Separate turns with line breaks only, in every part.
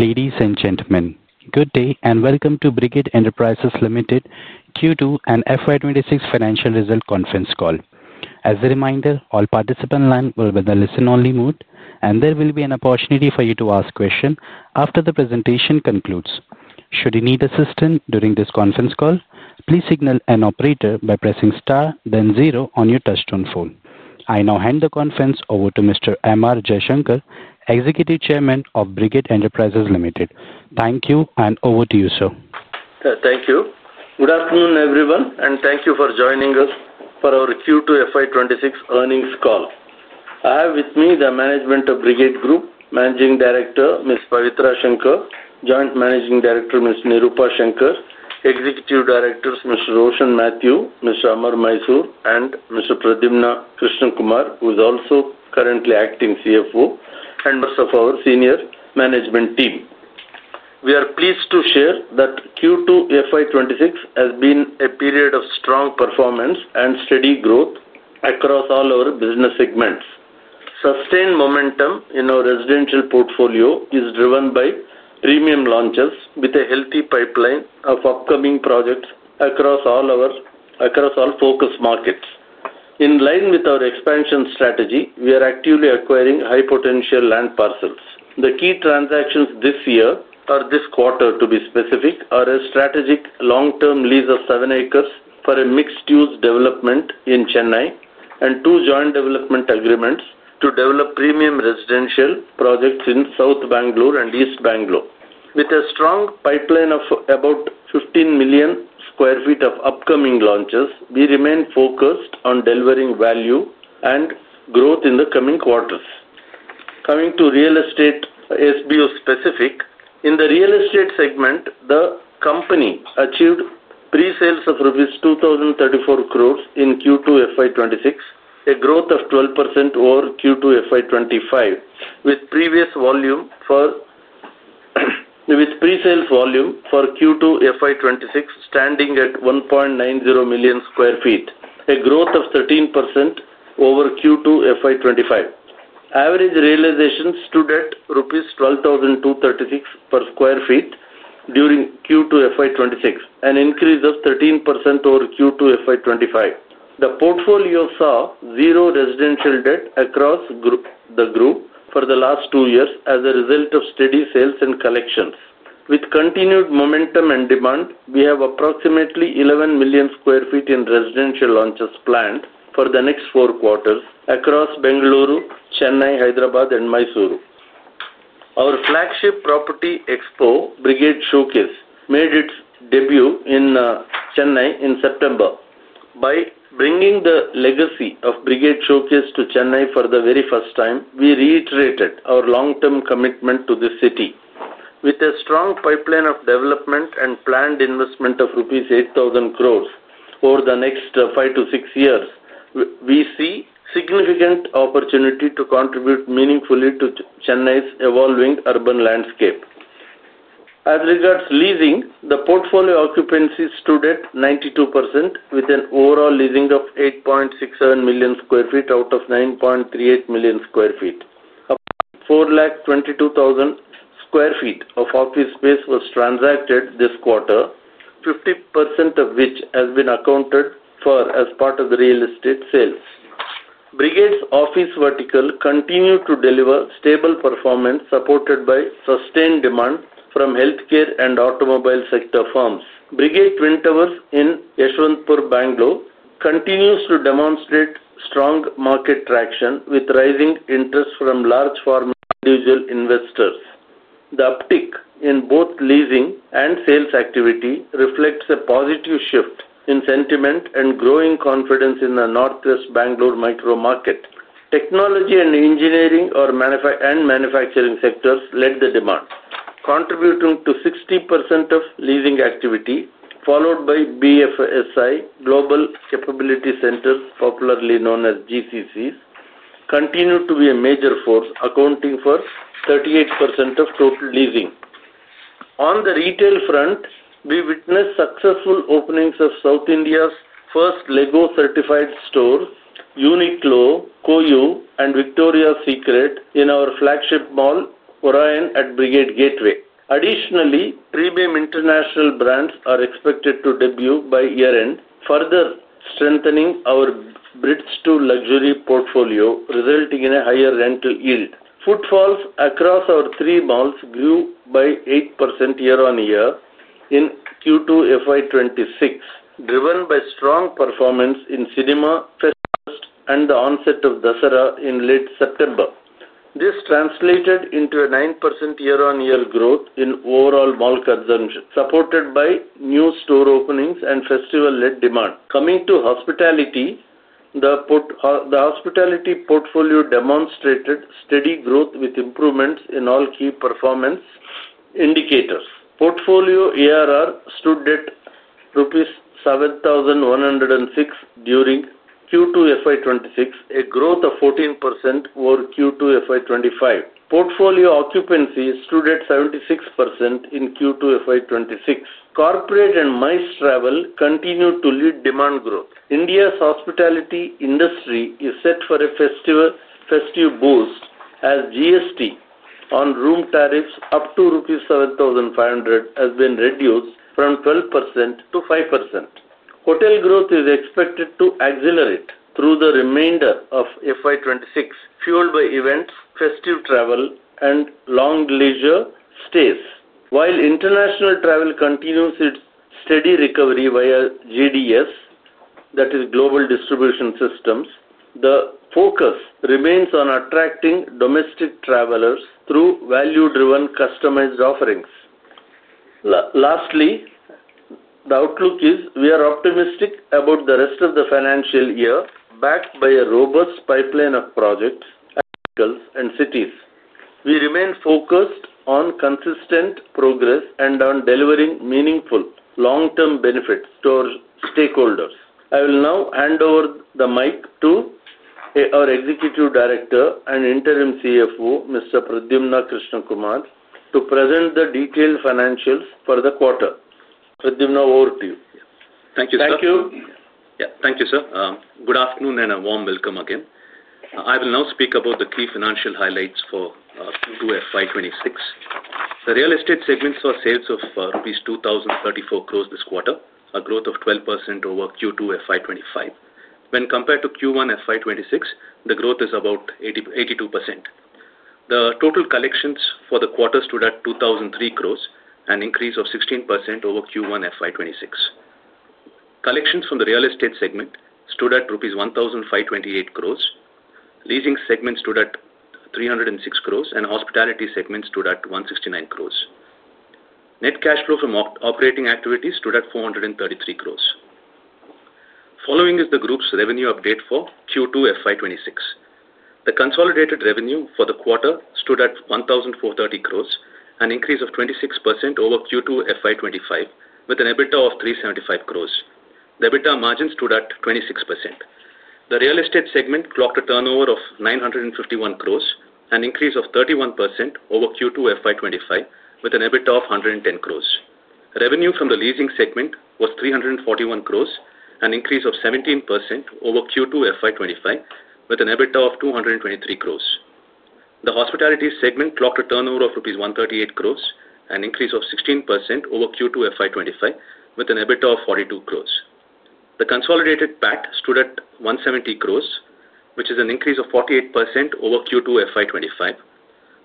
Ladies and gentlemen, good day and welcome to Brigade Enterprises Limited Q2 and FY2026 financial result conference call. As a reminder, all participants will be in a listen-only mode, and there will be an opportunity for you to ask questions after the presentation concludes. Should you need assistance during this conference call, please signal an operator by pressing star then zero on your touch-tone phone. I now hand the conference over to Mr. M.R. Jaishankar, Executive Chairman of Brigade Enterprises Limited. Thank you and over to you, sir.
Thank you. Good afternoon, everyone, and thank you for joining us for our Q2 FY2026 earnings call. I have with me the management of Brigade Group, Managing Director Ms. Pavitra Shankar, Joint Managing Director Ms. Nirupa Shankar, Executive Directors Ms. Roshin Mathew, Mr. Amar Mysore, and Mr. Pradyumna Krishna Kumar, who is also currently acting CFO, members of our senior management team. We are pleased to share that Q2 FY2026 has been a period of strong performance and steady growth across all our business segments. Sustained momentum in our residential portfolio is driven by premium launches, with a healthy pipeline of upcoming projects across all our focus markets. In line with our expansion strategy, we are actively acquiring high-potential land parcels. The key transactions this year, or this quarter to be specific, are a strategic long-term lease of 7 acres for a mixed-use development in Chennai and two joint development agreements to develop premium residential projects in South Bangalore and East Bangalore. With a strong pipeline of about 15 million sq ft of upcoming launches, we remain focused on delivering value and growth in the coming quarters. Coming to real estate, SBU specific, in the real estate segment, the company achieved pre-sales of rupees 2,034 crore in Q2 FY2026, a growth of 12% over Q2 FY2025, with pre-sales volume for Q2 FY2026 standing at 1.90 million sq ft, a growth of 13% over Q2 FY2025. Average realizations stood at INR 12,236 per sq ft during Q2 FY2026, an increase of 13% over Q2 FY2025. The portfolio saw zero residential debt across the group for the last two years as a result of steady sales and collections. With continued momentum and demand, we have approximately 11 million sq ft in residential launches planned for the next four quarters across Bangalore, Chennai, Hyderabad, and Mysore. Our flagship property expo, Brigade Showcase, made its debut in Chennai in September. By bringing the legacy of Brigade Showcase to Chennai for the very first time, we reiterated our long-term commitment to this city. With a strong pipeline of development and planned investment of rupees 8,000 crore over the next five to six years, we see a significant opportunity to contribute meaningfully to Chennai's evolving urban landscape. As regards to leasing, the portfolio occupancy stood at 92%, with an overall leasing of 8.67 million sq ft out of 9.38 million sq ft. About 422,000 sq ft of office space was transacted this quarter, 50% of which has been accounted for as part of the real estate sales. Brigade's office vertical continues to deliver stable performance, supported by sustained demand from healthcare and automobile sector firms. Brigade Twin Towers in Yashwantpur, Bangalore continues to demonstrate strong market traction, with rising interest from large pharmaceutical investors. The uptick in both leasing and sales activity reflects a positive shift in sentiment and growing confidence in the Northwest Bangalore micro market. Technology and engineering and manufacturing sectors led the demand, contributing to 60% of leasing activity, followed by BFSI Global Capability Centers, popularly known as GCCs, continuing to be a major force, accounting for 38% of total leasing. On the retail front, we witnessed successful openings of South India's first Lego-certified stores, Uniqlo, Coyo, and Victoria's Secret in our flagship mall, Orion Mall, at Brigade Gateway. Additionally, Tribeme International brands are expected to debut by year-end, further strengthening our bridge-to-luxury portfolio, resulting in a higher rental yield. Footfalls across our three malls grew by 8% year-on-year in Q2 FY2026, driven by strong performance in Cinema, Festival, and the onset of Dusara in late September. This translated into a 9% year-on-year growth in overall mall consumption, supported by new store openings and festival-led demand. Coming to hospitality, the hospitality portfolio demonstrated steady growth with improvements in all key performance indicators. Portfolio ARR stood at 7,106 rupees during Q2 FY2026, a growth of 14% over Q2 FY2025. Portfolio occupancy stood at 76% in Q2 FY2026. Corporate and MICE travel continued to lead demand growth. India's hospitality industry is set for a festive boost, as GST on room tariffs up to rupees 7,500 has been reduced from 12%-5%. Hotel growth is expected to accelerate through the remainder of FY2026, fueled by events, festive travel, and long leisure stays. While international travel continues its steady recovery via GDS, that is Global Distribution Systems, the focus remains on attracting domestic travelers through value-driven customized offerings. Lastly, the outlook is we are optimistic about the rest of the financial year, backed by a robust pipeline of projects, articles, and cities. We remain focused on consistent progress and on delivering meaningful long-term benefits to our stakeholders. I will now hand over the mic to our Executive Director and Interim CFO, Mr. Pradyumna Krishna Kumar, to present the detailed financials for the quarter. Pradyumna, over to you.
Thank you, sir.
Thank you.
Yeah, thank you, sir. Good afternoon and a warm welcome again. I will now speak about the key financial highlights for Q2 FY2026. The real estate segment saw sales of 2,034 crore rupees this quarter, a growth of 12% over Q2 FY2025. When compared to Q1 FY2026, the growth is about 82%. The total collections for the quarter stood at 2,003 crore, an increase of 16% over Q1 FY2026. Collections from the real estate segment stood at INR 1,528 crore. Leasing segment stood at 306 crore, and hospitality segment stood at 169 crore. Net cash flow from operating activities stood at 433 crore. Following is the group's revenue update for Q2 FY2026. The consolidated revenue for the quarter stood at 1,430 crore, an increase of 26% over Q2 FY2025, with an EBITDA of 375 crore. The EBITDA margin stood at 26%. The real estate segment clocked a turnover of 951 crore, an increase of 31% over Q2 FY2025, with an EBITDA of 110 crore. Revenue from the leasing segment was 341 crore, an increase of 17% over Q2 FY2025, with an EBITDA of 23 crore. The hospitality segment clocked a turnover of INR 138 crore, an increase of 16% over Q2 FY2025, with an EBITDA of 42 crore. The consolidated PAT stood at 170 crore, which is an increase of 48% over Q2 FY2025.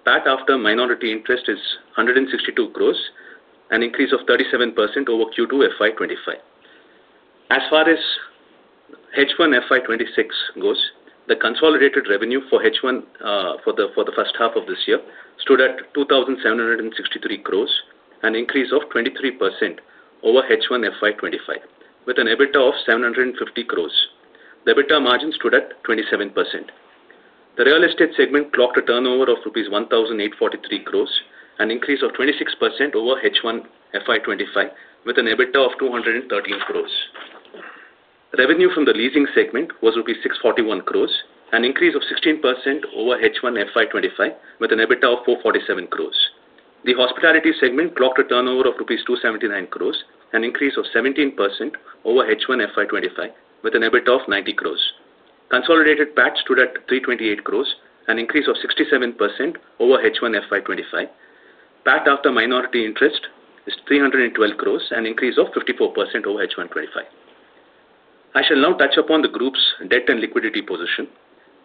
PAT after minority interest is 162 crore, an increase of 37% over Q2 FY2025. As far as H1 FY2026 goes, the consolidated revenue for H1 for the first half of this year stood at 2,763 crore, an increase of 23% over H1 FY2025, with an EBITDA of 750 crore. The EBITDA margin stood at 27%. The real estate segment clocked a turnover of INR 1,843 crore, an increase of 26% over H1 FY2025, with an EBITDA of 213 crore. Revenue from the leasing segment was INR 641 crore, an increase of 16% over H1 FY2205, with an EBITDA of 447 crore. The hospitality segment clocked a turnover of INR 279 crore, an increase of 17% over H1 FY2025, with an EBITDA of 90 crore. Consolidated PAT stood at 328 crore, an increase of 67% over H1 FY2025. PAT after minority interest is 312 crore, an increase of 54% over H1 FY2025. I shall now touch upon the group's debt and liquidity position.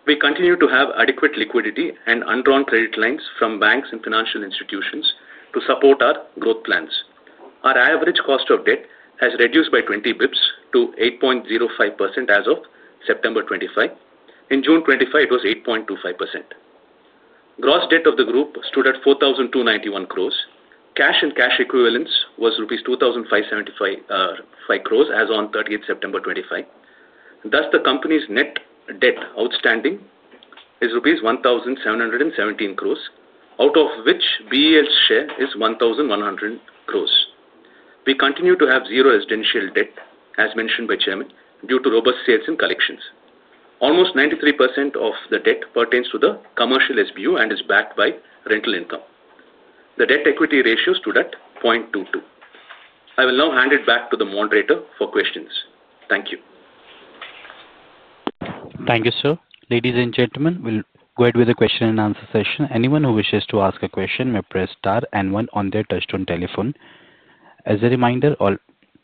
We continue to have adequate liquidity and undrawn credit lines from banks and financial institutions to support our growth plans. Our average cost of debt has reduced by 20 basis points to 8.05% as of September 2025. In June 2025, it was 8.25%. Gross debt of the group stood at 4,291 crore. Cash and cash equivalents was rupees 2,575 crore as on 30th September 2025. Thus, the company's net debt outstanding is INR rupees 1,717 crore, out of which BEL's share is 1,100 crore. We continue to have zero residential debt, as mentioned by Chairman, due to robust sales and collections. Almost 93% of the debt pertains to the commercial SBU and is backed by rental income. The debt-equity ratio stood at 0.22. I will now hand it back to the moderator for questions. Thank you.
Thank you, sir. Ladies and gentlemen, we'll go ahead with the question and answer session. Anyone who wishes to ask a question may press star and one on their touch-tone telephone. As a reminder,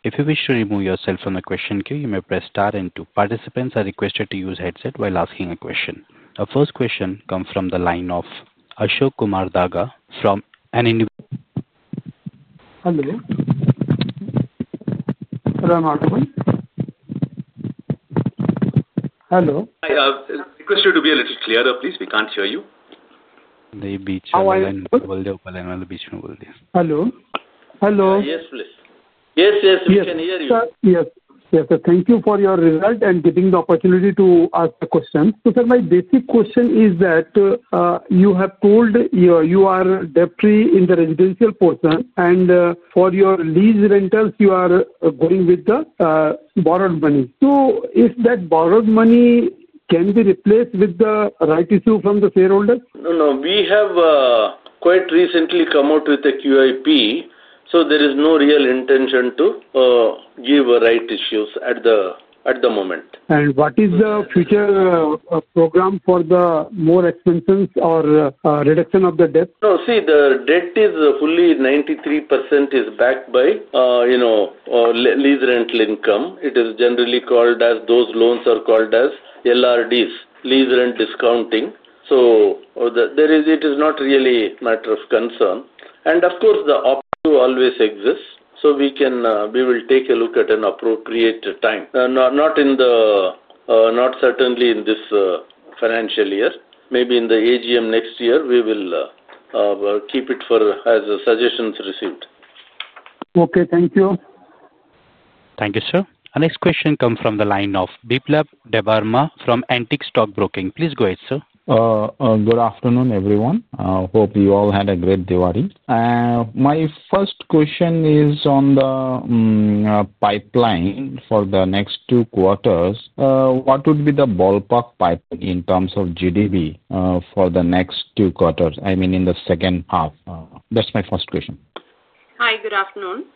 if you wish to remove yourself from the question queue, you may press star and two. Participants are requested to use headsets while asking a question. Our first question comes from the line of Ashok Kumar Dhaga from an individual. Hello. Hello, hello.
I request you to be a little clearer, please. We can't hear you. The beach.
How are you? The beach in Uvalde, Uvalde. Hello. Hello.
Yes, please.
Yes, yes, we can hear you. Yes, sir. Thank you for your result and giving the opportunity to ask the questions. My basic question is that you have told you are debt-free in the residential portion, and for your lease rentals, you are going with the borrowed money. Is that borrowed money can be replaced with the rights issue from the shareholders? No, no. We have quite recently come out with the QIP, so there is no real intention to give a rights issue at the moment. What is the future program for more expenses or reduction of the debt? No, see, the debt is fully 93% backed by lease rental income. It is generally called as those loans are called as LRDs, lease rent discounting. There is not really a matter of concern. Of course, the opportunity always exists, so we will take a look at an appropriate time, not certainly in this financial year. Maybe in the AGM next year, we will keep it for as a suggestion received. Okay, thank you.
Thank you, sir. Our next question comes from the line of Biplab Debbarma from Antique Stock Broking. Please go ahead, sir.
Good afternoon, everyone. I hope you all had a great Diwali. My first question is on the pipeline for the next two quarters. What would be the ballpark pipeline in terms of GDP for the next two quarters? I mean, in the second half. That's my first question.
Hi, good afternoon.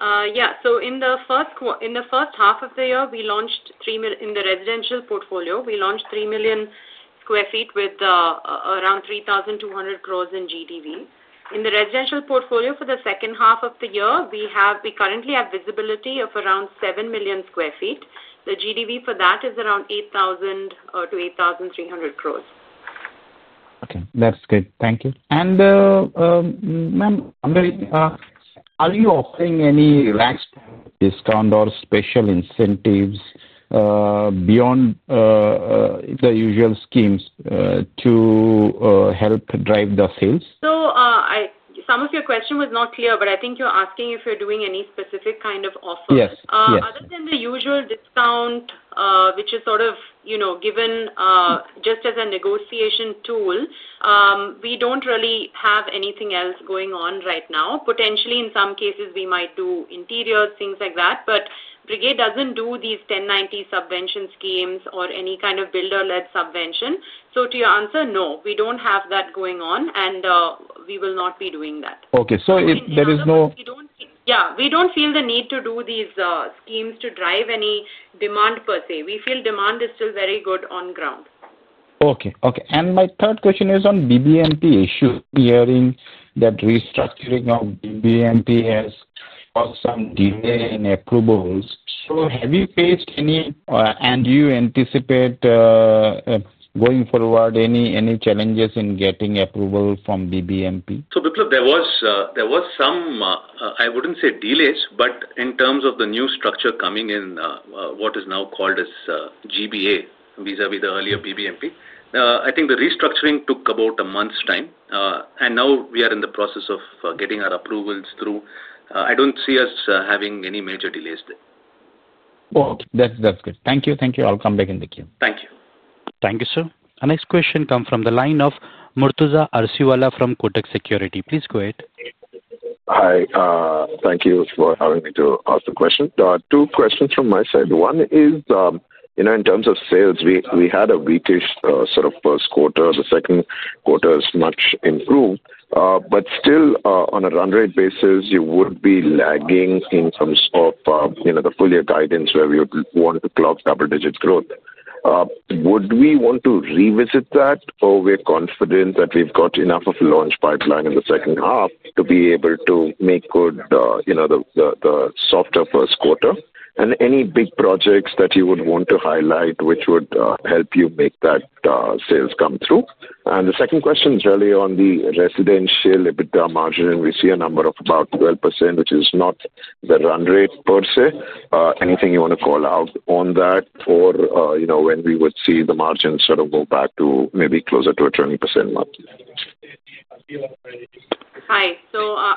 In the first half of the year, we launched 3 million sq ft in the residential portfolio with around 3,200 crore in GDP. In the residential portfolio for the second half of the year, we currently have visibility of around 7 million sq ft. The GDP for that is around 8,000 crore-8,300 crore.
Okay, that's good. Thank you. Ma'am, are you offering any discount or special incentives, beyond the usual schemes, to help drive the sales?
Some of your question was not clear, but I think you're asking if we're doing any specific kind of offer.
Yes, yes.
Other than the usual discount, which is sort of, you know, given just as a negotiation tool, we don't really have anything else going on right now. Potentially, in some cases, we might do interiors, things like that. Brigade doesn't do these 1090 subvention schemes or any kind of builder-led subvention. To your answer, no, we don't have that going on, and we will not be doing that.
Okay, so there is no.
Yeah, we don't feel the need to do these schemes to drive any demand per se. We feel demand is still very good on ground.
Okay. My third question is on BBNP issue. We are hearing that restructuring of BBNP has caused some delay in approvals. Have you faced any, and do you anticipate, going forward, any challenges in getting approval from BBNP?
There was some, I wouldn't say delays, but in terms of the new structure coming in, what is now called as GBA vis-à-vis the earlier BBNP, I think the restructuring took about a month's time, and now we are in the process of getting our approvals through. I don't see us having any major delays there.
Okay, that's good. Thank you. Thank you. I'll come back in the queue.
Thank you.
Thank you, sir. Our next question comes from the line of Murtuza Arsiwala from Kotak Securities. Please go ahead.
Hi, thank you for having me to ask the question. Two questions from my side. One is, you know, in terms of sales, we had a weakish, sort of first quarter. The second quarter is much improved, but still, on a run-rate basis, you would be lagging in terms of, you know, the full-year guidance where we would want to clock double-digit growth. Would we want to revisit that, or we're confident that we've got enough of a launch pipeline in the second half to be able to make good the softer first quarter? Any big projects that you would want to highlight which would help you make that sales come through? The second question is really on the residential EBITDA margin, and we see a number of about 12%, which is not the run rate per se. Anything you want to call out on that, or, you know, when we would see the margin sort of go back to maybe closer to a 20% mark?
Hi.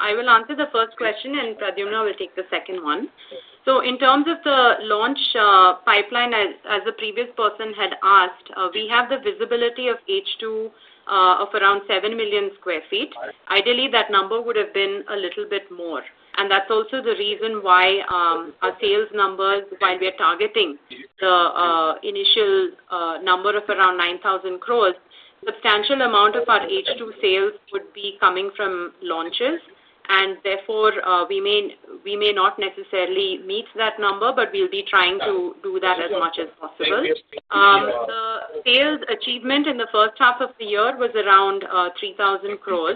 I will answer the first question, and Pradyumna will take the second one. In terms of the launch pipeline, as the previous person had asked, we have the visibility of H2, of around 7 million sq ft. Ideally, that number would have been a little bit more. That's also the reason why our sales numbers, while we are targeting the initial number of around 9,000 crore, a substantial amount of our H2 sales would be coming from launches. Therefore, we may not necessarily meet that number, but we'll be trying to do that as much as possible. The sales achievement in the first half of the year was around 3,000 crore.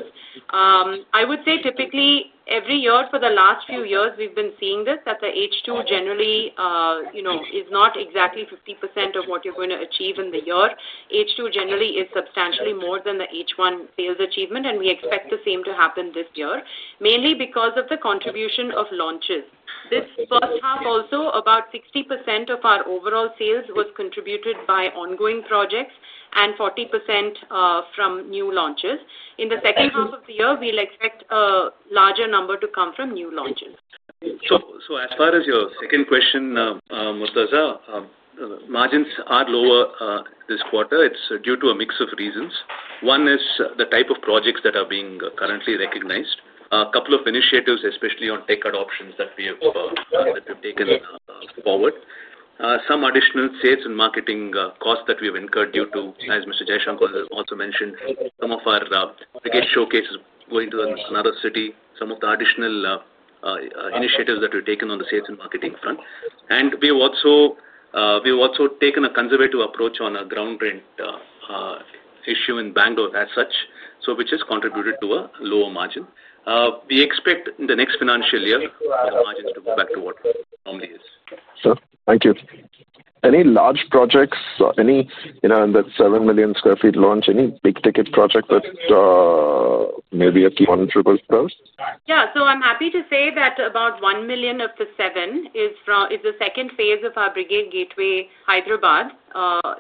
I would say typically, every year for the last few years, we've been seeing this, that the H2 generally is not exactly 50% of what you're going to achieve in the year. H2 generally is substantially more than the H1 sales achievement, and we expect the same to happen this year, mainly because of the contribution of launches. This first half also, about 60% of our overall sales was contributed by ongoing projects and 40% from new launches. In the second half of the year, we'll expect a larger number to come from new launches.
As far as your second question, Murtuza, margins are lower this quarter. It's due to a mix of reasons. One is the type of projects that are being currently recognized. A couple of initiatives, especially on tech adoptions that we have taken forward, some additional sales and marketing costs that we have incurred due to, as Mr. Jaishankar also mentioned, some of our Brigade Showcase is going to another city, some of the additional initiatives that we've taken on the sales and marketing front. We have also taken a conservative approach on a ground rent issue in Bangalore as such, which has contributed to a lower margin. We expect in the next financial year our margins to go back to what normally is.
Sir, thank you. Any large projects or any, you know, in that 7 million sq ft launch, any big-ticket project that, maybe a few hundred rupees per hour?
Yeah, so I'm happy to say that about 1 million of the 7 is from the second phase of our Brigade Gateway, Hyderabad,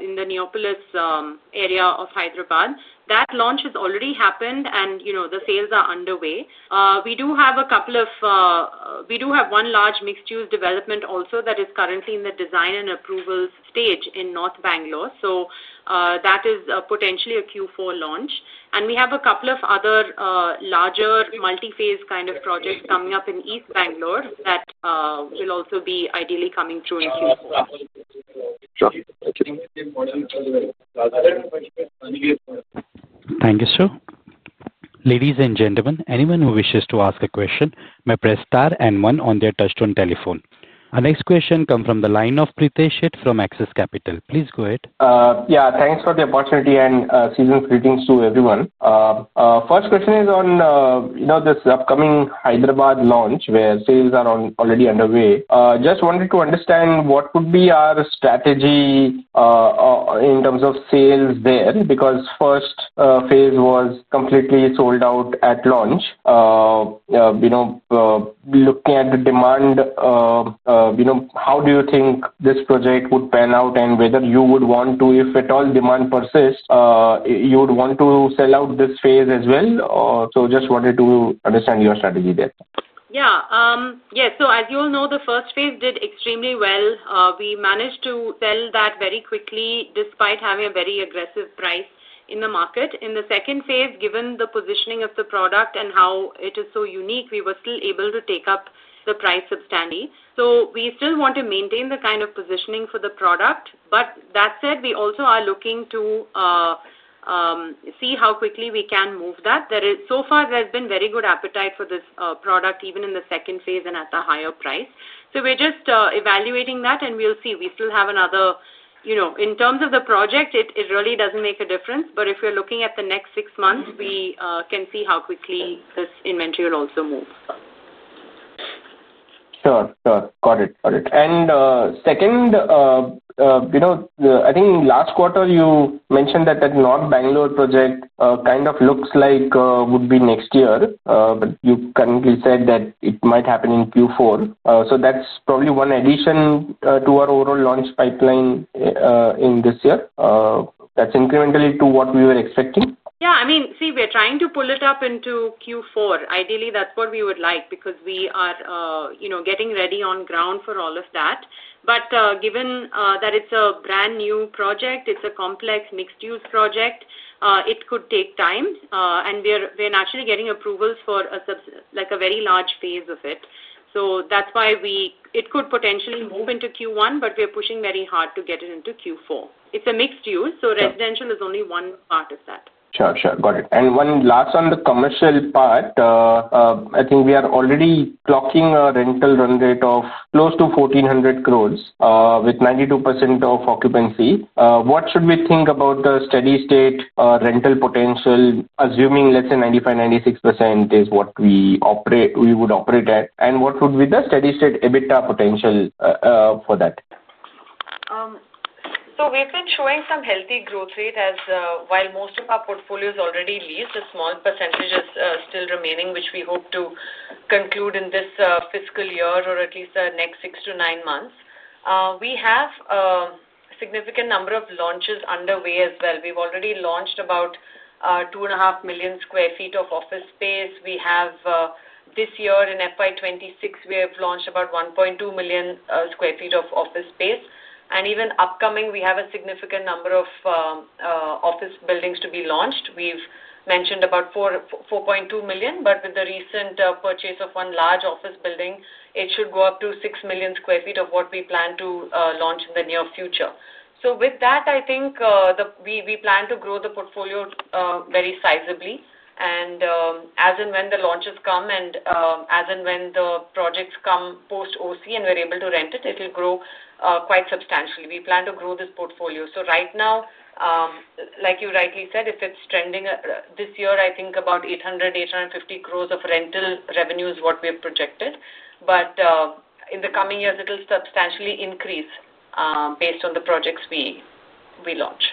in the Neopolis area of Hyderabad. That launch has already happened, and the sales are underway. We do have one large mixed-use development also that is currently in the design and approval stage in North Bangalore. That is potentially a Q4 launch. We have a couple of other larger multi-phase kind of projects coming up in East Bangalore that will also be ideally coming through in Q4.
Thank you, sir. Ladies and gentlemen, anyone who wishes to ask a question may press star and one on their touch-tone telephone. Our next question comes from the line of Pritesh Sheth from Axis Capital. Please go ahead.
Yeah, thanks for the opportunity and seasonal greetings to everyone. First question is on this upcoming Hyderabad launch where sales are already underway. Just wanted to understand what would be our strategy in terms of sales there because first phase was completely sold out at launch. You know, looking at the demand, how do you think this project would pan out and whether you would want to, if at all demand persists, you would want to sell out this phase as well? Just wanted to understand your strategy there.
Yeah, as you all know, the first phase did extremely well. We managed to sell that very quickly despite having a very aggressive price in the market. In the second phase, given the positioning of the product and how it is so unique, we were still able to take up the price substantially. We still want to maintain the kind of positioning for the product. That said, we also are looking to see how quickly we can move that. There has so far been very good appetite for this product even in the second phase and at a higher price. We're just evaluating that, and we'll see. We still have another, you know, in terms of the project, it really doesn't make a difference. If you're looking at the next six months, we can see how quickly this inventory will also move.
Sure. Got it. I think last quarter you mentioned that North Bangalore project kind of looks like it would be next year, but you currently said that it might happen in Q4. That's probably one addition to our overall launch pipeline in this year. That's incrementally to what we were expecting.
Yeah, I mean, see, we're trying to pull it up into Q4. Ideally, that's what we would like because we are getting ready on ground for all of that. Given that it's a brand new project, it's a complex mixed-use project, it could take time. We're naturally getting approvals for a very large phase of it. That's why it could potentially move into Q1, but we're pushing very hard to get it into Q4. It's a mixed use, so residential is only one part of that.
Sure, got it. One last on the commercial part, I think we are already clocking a rental run rate of close to 1,400 crore, with 92% occupancy. What should we think about the steady state rental potential, assuming less than 95%, 96% is what we would operate at? What would be the steady state EBITDA potential for that?
We've been showing some healthy growth rate as, while most of our portfolio is already leased, a small percentage is still remaining, which we hope to conclude in this fiscal year or at least the next six to nine months. We have a significant number of launches underway as well. We've already launched about 2.5 million sq ft of office space. This year in FY2026, we have launched about 1.2 million sq ft of office space. Even upcoming, we have a significant number of office buildings to be launched. We've mentioned about 4.2 million, but with the recent purchase of one large office building, it should go up to 6 million sq ft of what we plan to launch in the near future. With that, we plan to grow the portfolio very sizably. As and when the launches come and as and when the projects come post OC and we're able to rent it, it'll grow quite substantially. We plan to grow this portfolio. Right now, like you rightly said, if it's trending, this year I think about 800 crore-850 crore of rental revenue is what we have projected. In the coming years, it'll substantially increase based on the projects we launch.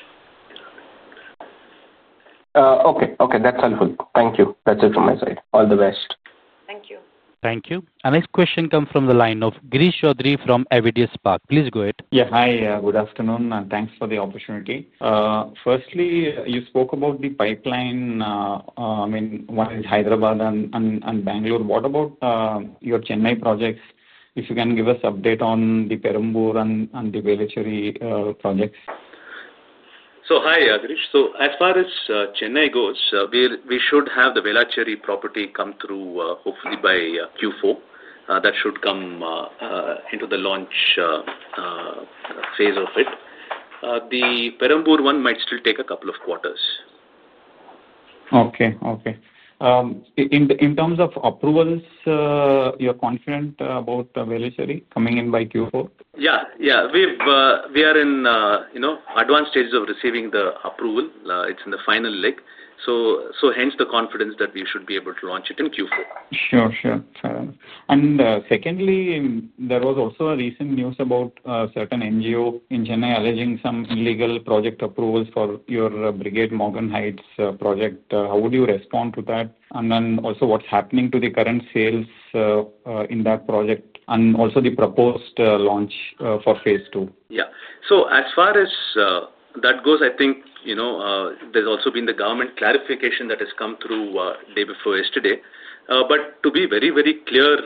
Okay, okay. That's helpful. Thank you. That's it from my side. All the best.
Thank you.
Thank you. Our next question comes from the line of Girish Choudhary from Avendus Spark. Please go ahead.
Yeah, hi. Good afternoon. Thanks for the opportunity. Firstly, you spoke about the pipeline. I mean, one is Hyderabad and Bangalore. What about your Chennai projects? If you can give us an update on the Perambur and the Vela Cherry projects.
Hi, Girish. As far as Chennai goes, we should have the Velachery property come through, hopefully by Q4. That should come into the launch phase of it. The Perambur one might still take a couple of quarters.
Okay. In terms of approvals, you're confident about Velachery coming in by Q4?
Yeah, we are in advanced stages of receiving the approval. It's in the final leg, hence the confidence that we should be able to launch it in Q4.
Sure, fair enough. Secondly, there was also a recent news about a certain NGO in Chennai alleging some illegal project approvals for your Brigade Morgan Heights project. How would you respond to that? Also, what's happening to the current sales in that project and the proposed launch for phase two?
Yeah. As far as that goes, I think there's also been the government clarification that has come through day before yesterday. To be very, very clear,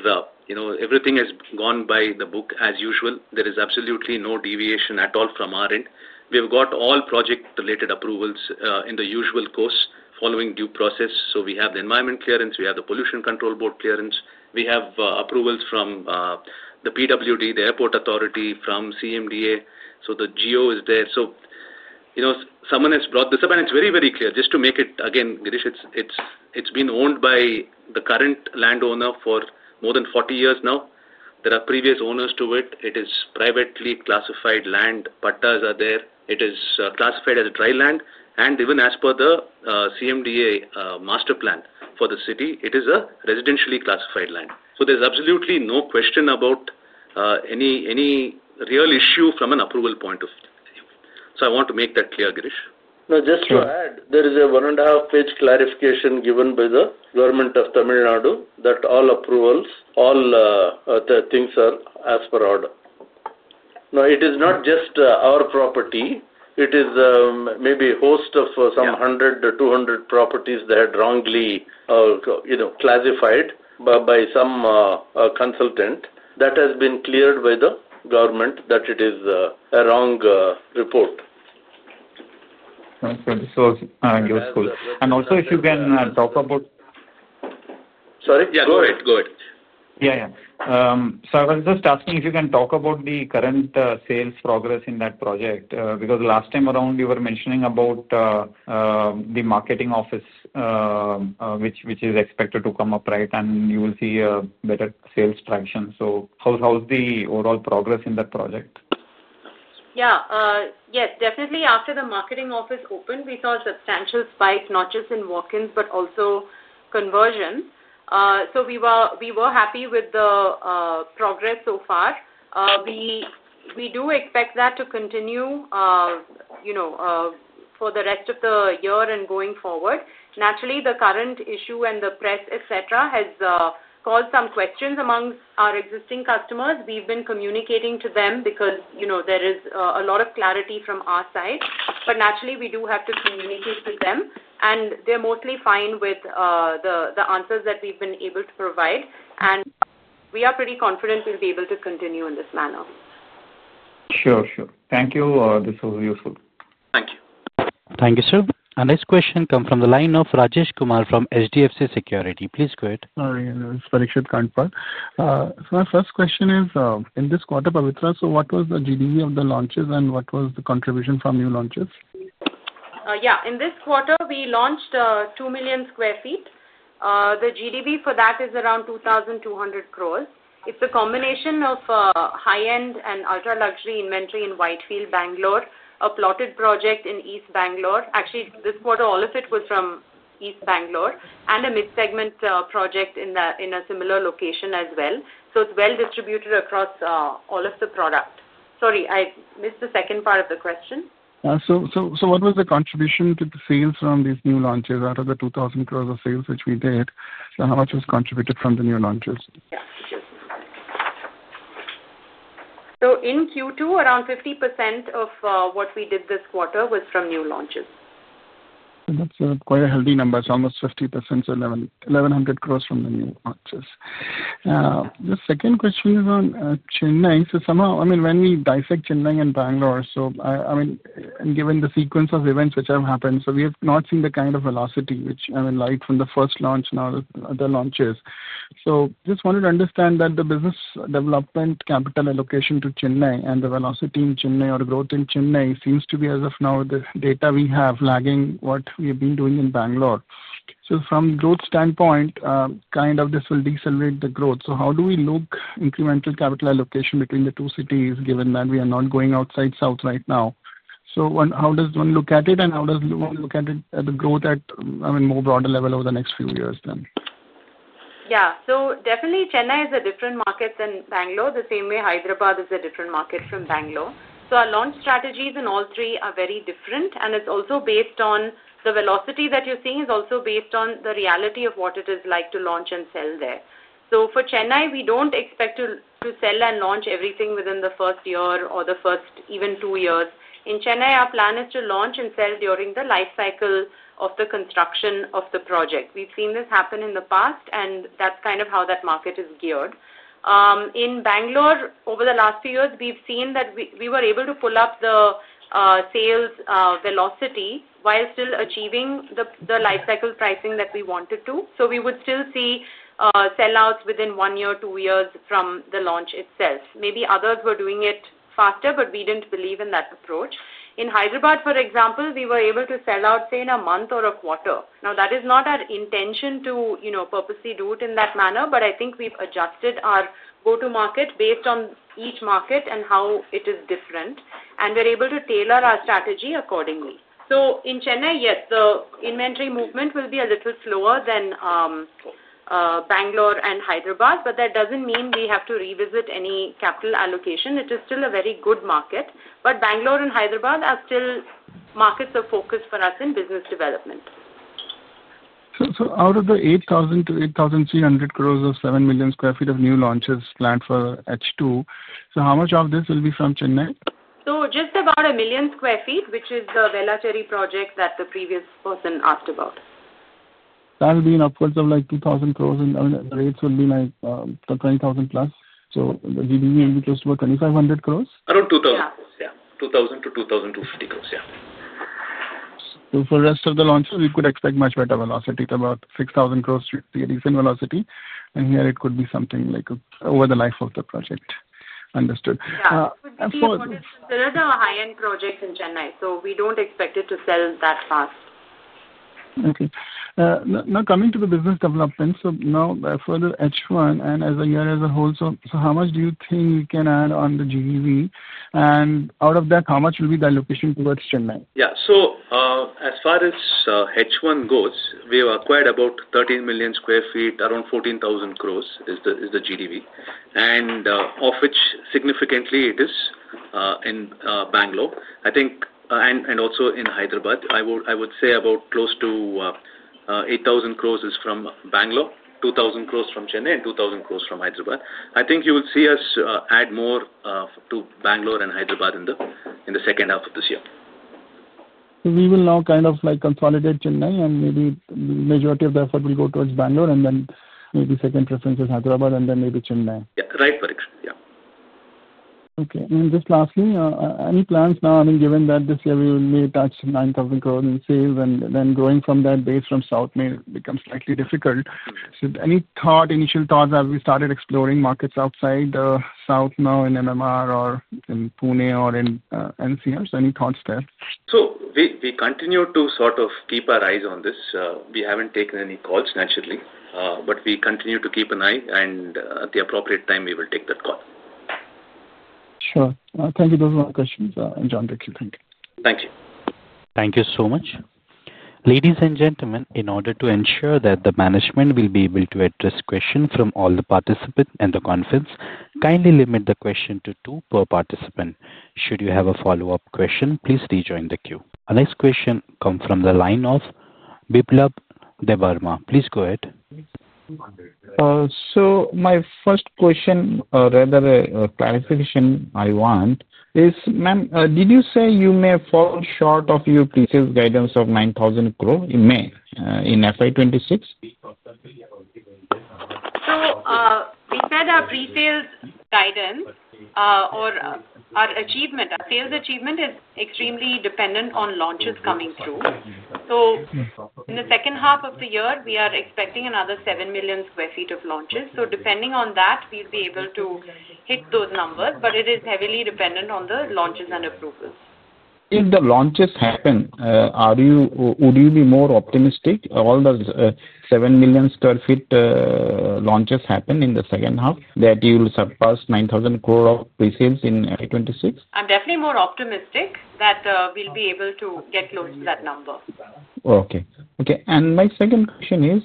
everything has gone by the book as usual. There is absolutely no deviation at all from our end. We've got all project-related approvals in the usual course following due process. We have the environment clearance. We have the pollution control board clearance. We have approvals from the PWD, the airport authority, from CMDA. The GEO is there. Someone has brought this up, and it's very, very clear. Just to make it again, Girish, it's been owned by the current landowner for more than 40 years now. There are previous owners to it. It is privately classified land. Patas are there. It is classified as a dry land. Even as per the CMDA master plan for the city, it is a residentially classified land. There's absolutely no question about any real issue from an approval point of view. I want to make that clear, Girish.
No, just to add, there is a one-and-a-half-page clarification given by the government of Tamil Nadu that all approvals, all things are as per order. Now, it is not just our property. It is maybe a host of some 100, 200 properties that had wrongly, you know, classified by some consultant. That has been cleared by the government that it is a wrong report.
That's good. It's useful. If you can talk about.
Sorry?
Yeah.
Go ahead. Go ahead.
Yeah, I was just asking if you can talk about the current sales progress in that project, because last time around, you were mentioning about the marketing office, which is expected to come up right and you will see a better sales traction. How's the overall progress in that project?
Yes, definitely. After the marketing office opened, we saw a substantial spike, not just in walk-ins, but also conversions. We were happy with the progress so far. We do expect that to continue for the rest of the year and going forward. Naturally, the current issue and the press, etc., has called some questions amongst our existing customers. We've been communicating to them because there is a lot of clarity from our side. Naturally, we do have to communicate to them, and they're mostly fine with the answers that we've been able to provide. We are pretty confident we'll be able to continue in this manner.
Sure, sure. Thank you. This was useful.
Thank you.
Thank you, sir. Our next question comes from the line of Rajesh Kumar from HDFC Security. Please go ahead.
Sorry, it's Pradyumna Krishna Kumar. My first question is, in this quarter, Pavitra, what was the GDP of the launches and what was the contribution from new launches?
Yeah. In this quarter, we launched 2 million sq ft. The GDP for that is around 2,200 crore. It's a combination of high-end and ultra-luxury inventory in Whitefield, Bangalore, a plotted project in East Bangalore. Actually, this quarter, all of it was from East Bangalore and a mid-segment project in a similar location as well. It's well distributed across all of the product. Sorry, I missed the second part of the question.
What was the contribution to the sales from these new launches out of the 2,000 crore of sales which we did? How much was contributed from the new launches?
In Q2, around 50% of what we did this quarter was from new launches.
That's quite a healthy number. Almost 50%, so 1,100 crore from the new launches. The second question is on Chennai. When we dissect Chennai and Bangalore, and given the sequence of events which have happened, we have not seen the kind of velocity, which I mean, like from the first launch and all the launches. I just wanted to understand that the business development capital allocation to Chennai and the velocity in Chennai or growth in Chennai seems to be, as of now, the data we have, lagging what we have been doing in Bangalore. From a growth standpoint, this will decelerate the growth. How do we look at incremental capital allocation between the two cities, given that we are not going outside South right now? How does one look at it, and how does one look at the growth at a more broader level over the next few years then?
Yeah. Chennai is a different market than Bangalore, the same way Hyderabad is a different market from Bangalore. Our launch strategies in all three are very different. The velocity that you're seeing is also based on the reality of what it is like to launch and sell there. For Chennai, we don't expect to sell and launch everything within the first year or even the first two years. In Chennai, our plan is to launch and sell during the lifecycle of the construction of the project. We've seen this happen in the past, and that's kind of how that market is geared. In Bangalore, over the last few years, we've seen that we were able to pull up the sales velocity while still achieving the lifecycle pricing that we wanted to. We would still see sellouts within one year, two years from the launch itself. Maybe others were doing it faster, but we didn't believe in that approach. In Hyderabad, for example, we were able to sell out, say, in a month or a quarter. That is not our intention to purposely do it in that manner, but I think we've adjusted our go-to-market based on each market and how it is different. We're able to tailor our strategy accordingly. In Chennai, yes, the inventory movement will be a little slower than Bangalore and Hyderabad, but that doesn't mean we have to revisit any capital allocation. It is still a very good market. Bangalore and Hyderabad are still markets of focus for us in business development.
Out of the 8,000 crore-8,300 crore of 7 million sq ft of new launches planned for H2, how much of this will be from Chennai?
Just about a million square feet, which is the Vela Cherry project that the previous person asked about.
That will be in upwards of 2,000 crore, and I mean, the rates would be like the 20,000+. The GDP will be close to about 2,500 crore.
Around 2,000. Yeah, 2,000 to 2,250 crore. Yeah.
For the rest of the launches, we could expect much better velocity, about 6,000 crore to be a decent velocity. Here, it could be something like over the life of the project. Understood.
There are the high-end projects in Chennai, so we don't expect it to sell that fast.
Okay. Now, coming to the business development, for the H1 and as a year as a whole, how much do you think you can add on the GDP? Out of that, how much will be the allocation towards Chennai?
As far as H1 goes, we've acquired about 13 million sq ft, around 14,000 crore is the GDP, of which significantly it is in Bangalore, and also in Hyderabad. I would say about close to 8,000 crore is from Bangalore, 2,000 crore from Chennai, and 2,000 crore from Hyderabad. I think you will see us add more to Bangalore and Hyderabad in the second half of this year.
We will now kind of like consolidate Chennai, and maybe the majority of the effort will go towards Bangalore, and then maybe second preference is Hyderabad, and then maybe Chennai.
Right. Correct. Yeah.
Okay. Just lastly, any plans now, I mean, given that this year we may touch 9,000 crore in sales, and then growing from that base from South may become slightly difficult. Any thought, initial thoughts as we started exploring markets outside the South now in MMR or in Pune or in NCR? Any thoughts there?
We continue to keep our eyes on this. We haven't taken any calls naturally, but we continue to keep an eye, and at the appropriate time, we will take that call.
Sure. Thank you. Those are my questions. Thank you.
Thank you.
Thank you so much. Ladies and gentlemen, in order to ensure that the management will be able to address questions from all the participants in the conference, kindly limit the question to two per participant. Should you have a follow-up question, please rejoin the queue. Our next question comes from the line of Biplab Debbarma. Please go ahead.
My first question, or rather a clarification I want, is, ma'am, did you say you may have fallen short of your pre-sales guidance of 9,000 crore in May in FY2026?
Our pre-sales guidance, or our achievement, our sales achievement is extremely dependent on launches coming through. In the second half of the year, we are expecting another 7 million sq ft of launches. Depending on that, we'll be able to hit those numbers, but it is heavily dependent on the launches and approvals.
If the launches happen, would you be more optimistic? If all the 7 million sq ft launches happen in the second half, that you will surpass 9,000 crore of pre-sales in FY2026?
I'm definitely more optimistic that we'll be able to get close to that number.
Okay. My second question is,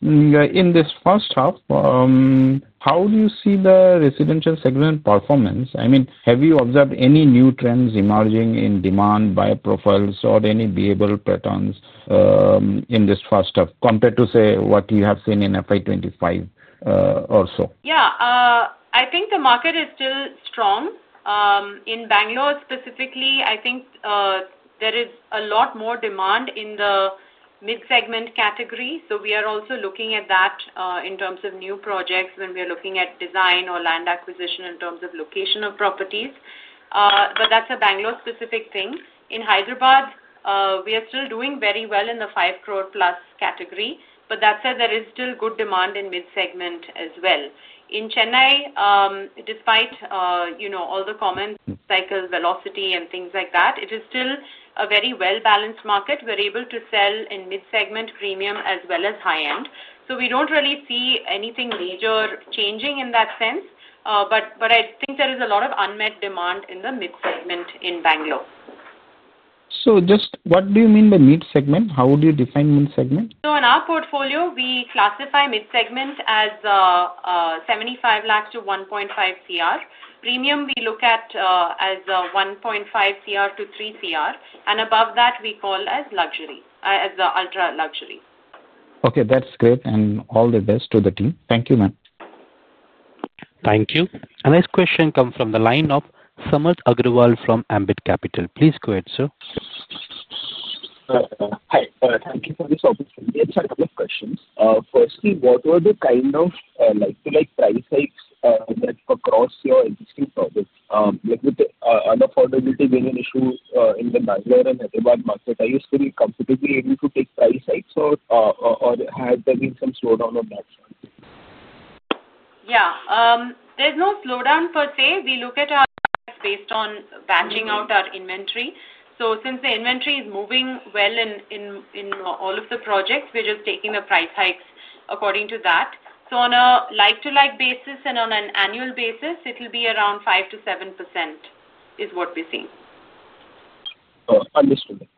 in this first half, how do you see the residential segment performance? I mean, have you observed any new trends emerging in demand by profiles or any behavioral patterns in this first half compared to, say, what you have seen in FY2025 or so?
Yeah. I think the market is still strong. In Bangalore specifically, I think there is a lot more demand in the mid-segment category. We are also looking at that, in terms of new projects when we are looking at design or land acquisition in terms of location of properties. That's a Bangalore-specific thing. In Hyderabad, we are still doing very well in the 5+ crore category. That said, there is still good demand in mid-segment as well. In Chennai, despite all the common cycles, velocity and things like that, it is still a very well-balanced market. We're able to sell in mid-segment, premium as well as high-end. We don't really see anything major changing in that sense. I think there is a lot of unmet demand in the mid-segment in Bangalore.
What do you mean by mid-segment? How would you define mid-segment?
In our portfolio, we classify mid-segment as 7.5 million-15 million. Premium, we look at as 15 million-30 million. Above that, we call as luxury, as the ultra-luxury.
Okay, that's great. All the best to the team. Thank you, ma'am.
Thank you. Our next question comes from the line of Samarth Agrawal from Ambit Capital. Please go ahead, sir.
Hi. Thank you for this opportunity. I have a couple of questions. Firstly, what were the kind of price hikes across your existing projects, like with unaffordability being an issue in the Bangalore and Hyderabad market? Are you still comfortably able to take price hikes, or has there been some slowdown on that front?
Yeah. There's no slowdown per se. We look at our price based on batching out our inventory. Since the inventory is moving well in all of the projects, we're just taking the price hikes according to that. On a like-to-like basis and on an annual basis, it'll be around 5%-7% is what we're seeing.
Understood.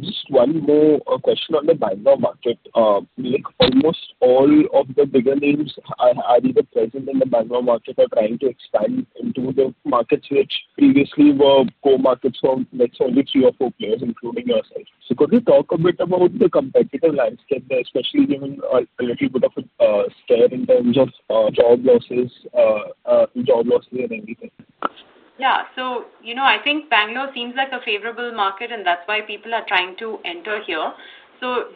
Just one more question on the Bangalore market. Almost all of the bigger names are either present in the Bangalore market or trying to expand into the markets which previously were core markets for, let's say, only three or four players, including yourself. Could you talk a bit about the competitive landscape there, especially given a little bit of a scare in terms of job losses or anything?
Yeah. I think Bangalore seems like a favorable market, and that's why people are trying to enter here.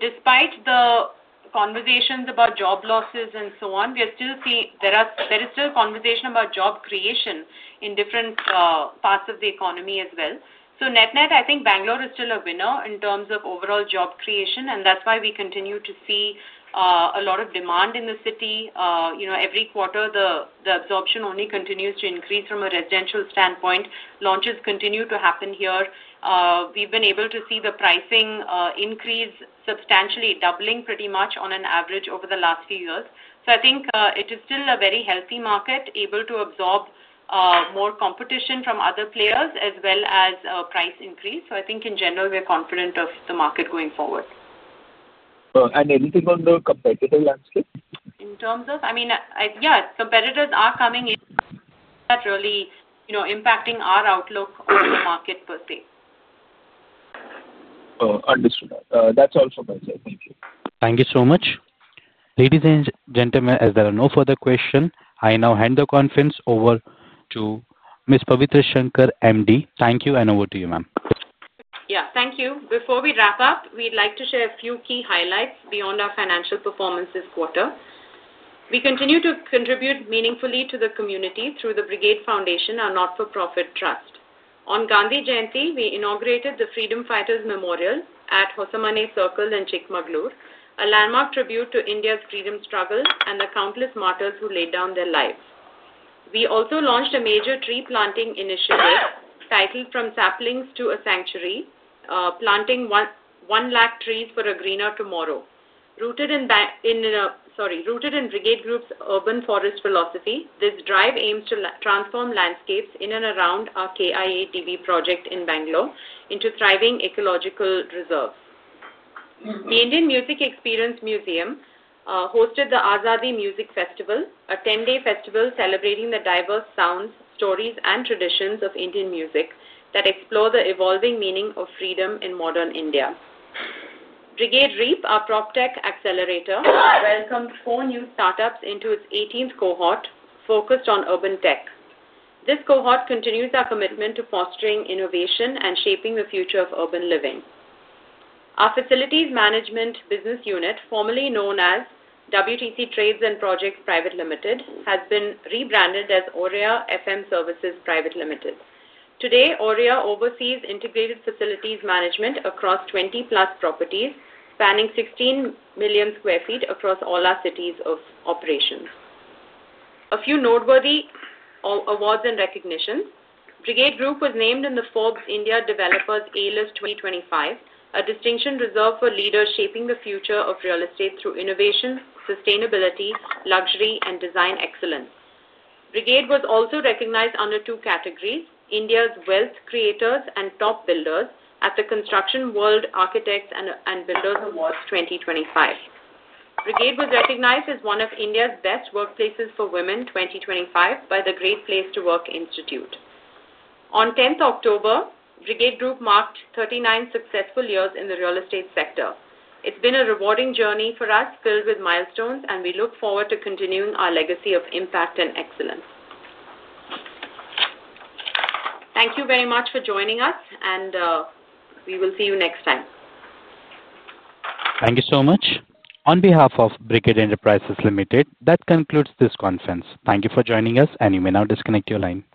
Despite the conversations about job losses and so on, we are still seeing there is still a conversation about job creation in different parts of the economy as well. Net-net, I think Bangalore is still a winner in terms of overall job creation, and that's why we continue to see a lot of demand in the city. Every quarter, the absorption only continues to increase from a residential standpoint. Launches continue to happen here. We've been able to see the pricing increase substantially, doubling pretty much on an average over the last few years. I think it is still a very healthy market, able to absorb more competition from other players as well as a price increase. In general, we're confident of the market going forward.
There anything on the competitive landscape?
In terms of competitors are coming. That's really impacting our outlook on the market per se.
Understood. That's all from my side. Thank you.
Thank you so much. Ladies and gentlemen, as there are no further questions, I now hand the conference over to Ms. Pavitra Shankar, Managing Director. Thank you, and over to you, ma'am.
Yeah, thank you. Before we wrap up, we'd like to share a few key highlights beyond our financial performance this quarter. We continue to contribute meaningfully to the community through the Brigade Foundation, our not-for-profit trust. On Gandhi Jayanti, we inaugurated the Freedom Fighters Memorial at Hosamane Circle in Sheikh Maghlure, a landmark tribute to India's freedom struggle and the countless martyrs who laid down their lives. We also launched a major tree planting initiative titled "From Saplings to a Sanctuary: Planting 1 Lakh Trees for a Greener Tomorrow." Rooted in Brigade Group's urban forest philosophy, this drive aims to transform landscapes in and around our KIATV project in Bangalore into thriving ecological reserves. The Indian Music Experience Museum hosted the Azadi Music Festival, a 10-day festival celebrating the diverse sounds, stories, and traditions of Indian music that explore the evolving meaning of freedom in modern India. Brigade REAP, our prop tech accelerator, welcomed four new startups into its 18th cohort focused on urban tech. This cohort continues our commitment to fostering innovation and shaping the future of urban living. Our facilities management business unit, formerly known as WTC Trades and Projects Private Limited, has been rebranded as OREA FM Services Private Limited. Today, OREA oversees integrated facilities management across 20+ properties spanning 16 million sq ft across all our cities of operations. A few noteworthy awards and recognitions. Brigade Group was named in the Forbes India Developers A-list 2025, a distinction reserved for leaders shaping the future of real estate through innovation, sustainability, luxury, and design excellence. Brigade was also recognized under two categories: India's Wealth Creators and Top Builders at the Construction World Architects and Builders Awards 2025. Brigade was recognized as one of India's Best Workplaces for Women 2025 by the Great Place to Work Institute. On 10th October, Brigade Group marked 39 successful years in the real estate sector. It's been a rewarding journey for us filled with milestones, and we look forward to continuing our legacy of impact and excellence. Thank you very much for joining us, and we will see you next time.
Thank you so much. On behalf of Brigade Enterprises Limited, that concludes this conference. Thank you for joining us, and you may now disconnect your line.